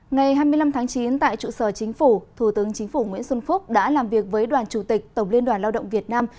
ngày hai mươi năm tháng chín tại trụ sở chính phủ thủ tướng chính phủ nguyễn xuân phúc đã làm việc với đoàn chủ tịch tổng liên đoàn lao động việt nam